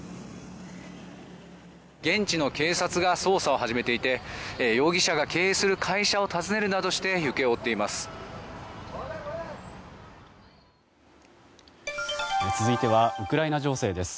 現地の警察が捜査を始めていて容疑者が経営する会社を訪ねるなどして行方を追っています。